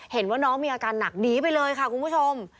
เห็นว่าน้องมีอาการหนักหนีไปเลยค่ะคุณผู้ชม